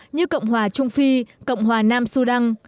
như cộng hòa trung phi cộng hòa nam sudan